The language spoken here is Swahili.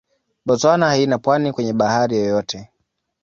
Botswana haina pwani kwenye bahari yoyote.